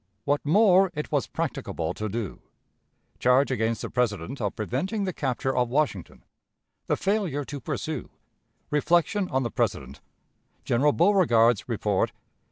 What more it was practicable to do. Charge against the President of preventing the Capture of Washington. The Failure to pursue. Reflection on the President. General Beauregard's Report.